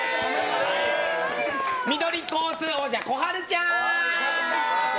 緑コース、王者こはるちゃん！